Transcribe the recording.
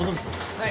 はい。